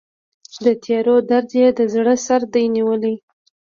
د تیارو درد یې د زړه سردې نیولی